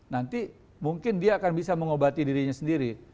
nanti mungkin dia akan bisa mengobati dirinya sendiri